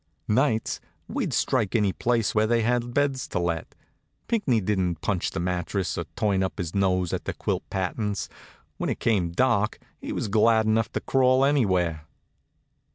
Nights we'd strike any place where they had beds to let. Pinckney didn't punch the mattress or turn up his nose at the quilt patterns. When it came dark he was glad enough to crawl anywhere.